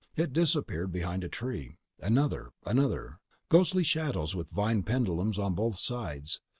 It disappeared behind a tree. Another. Another. Ghostly shadows with vine pendulums on both sides.